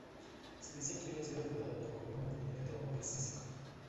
Se decía que había sido fundada por colonos de Mileto o de Cícico.